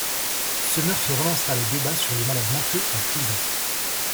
Ce meurtre relancera le débat sur les malades mentaux en prison.